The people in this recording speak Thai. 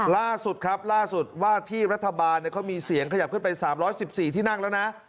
ล่าสุดครับล่าสุดว่าที่รัฐบาลเขามีเสียงขยับขึ้นไป๓๑๔ที่นั่งแล้วนะ